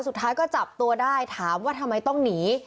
สุดท้ายก็จับตัวได้ถามว่าทำไมต้องหนี